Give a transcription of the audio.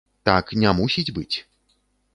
Так не мусіць быць.